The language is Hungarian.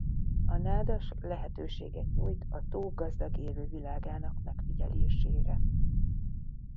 A nádas lehetőséget nyújt a tó gazdag élővilágának megfigyelésére.